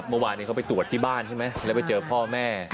เมื่อวานนี้เขาไปตรวจที่บ้านใช่ไหมแล้วไปเจอพ่อแม่